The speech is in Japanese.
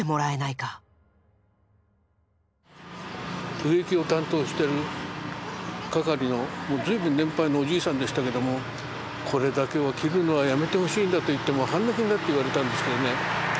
植木を担当してる係の随分年配のおじいさんでしたけども「これだけは切るのはやめてほしいんだ」と言って半泣きになって言われたんですけどね